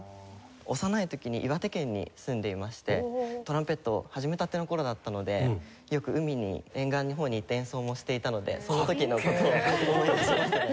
幼い時に岩手県に住んでいましてトランペットを始めたての頃だったのでよく海に沿岸の方に行って演奏もしていたのでその時の事を思い出しましたね。